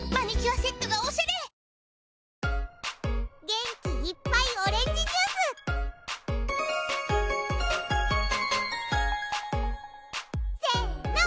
元気いっぱいオレンジジュース！せの！